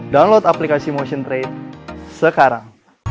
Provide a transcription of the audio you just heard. download aplikasi motion trade sekarang